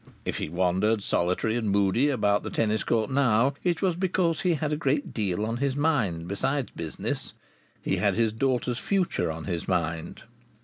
If he wandered solitary and moody about the tennis court now, it was because he had a great deal on his mind besides business. He had his daughter's future on his mind.